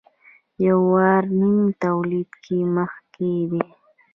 د یورانیم تولید کې مخکښ دی.